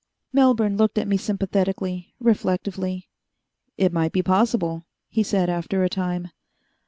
Melbourne looked at me sympathetically, reflectively. "It might be possible," he said after a time.